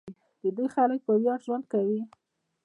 د دوی خلک په ویاړ ژوند کوي.